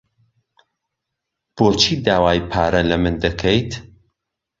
بۆچی داوای پارە لە من دەکەیت؟